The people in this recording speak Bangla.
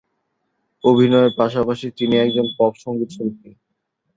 অভিনয়ের পাশাপাশি তিনি একজন পপ সঙ্গীতশিল্পী।